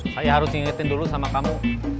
saya harus ngingetin dulu sama kamu